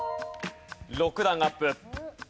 ６段アップ。